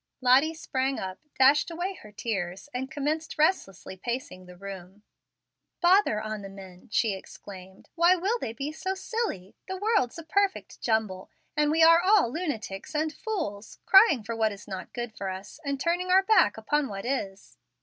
Lottie sprang up, dashed away her tears, and commenced restlessly pacing the room. "Bother on the men," she exclaimed. "Why will they be so silly! The world's a perfect jumble, and we are all lunatics and fools, crying for what is not good for us, and turning our backs upon what is.